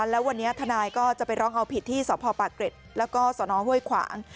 แล้ววันนี้ทนายก็จะไปร้องเอาผิดที่สพปากเกร็ดแล้วก็สนห้วยขวาง